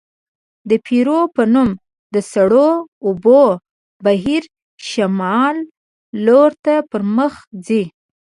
د پیرو په نوم د سړو اوبو بهیر شمال لورته پرمخ ځي.